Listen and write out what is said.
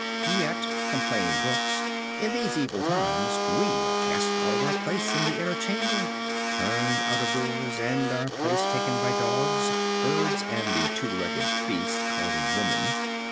"Yet," complain books, "in these evil times we are cast out of our place in the inner chamber, turned out of doors, and our place taken by dogs, birds, and the two legged beast called woman.